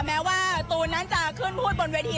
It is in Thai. แม้ว่าตูนนั้นจะขึ้นพูดบนเวที